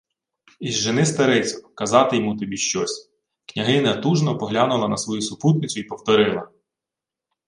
— Ізжени старицю, казати-йму тобі щось. Княгиня тужно поглянула на свою супутницю й повторила: